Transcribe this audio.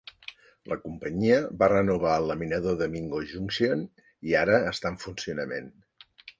La companyia va renovar el laminador de Mingo Junction i ara està en funcionament.